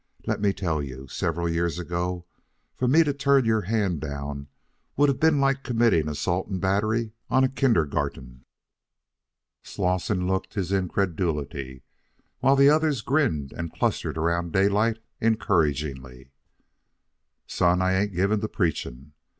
Let me tell you, several years ago for me to turn your hand down would have been like committing assault and battery on a kindergarten." Slosson looked his incredulity, while the others grinned and clustered around Daylight encouragingly. "Son, I ain't given to preaching.